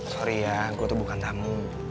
sorry ya aku tuh bukan tamu